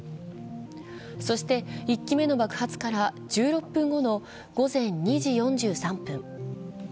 そして１機目の爆発から１６分後の午前２時４３分。